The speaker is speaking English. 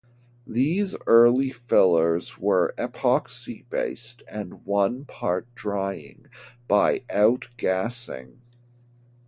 These early fillers were epoxy-based and one part, drying by out gassing.